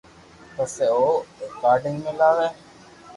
پسي او رآڪارد ۾ لاوي